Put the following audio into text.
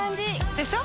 でしょ？